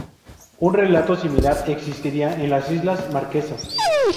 Un relato similar existiría en las islas Marquesas.